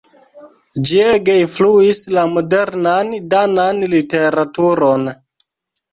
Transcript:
Ĝi ege influis la modernan danan literaturon.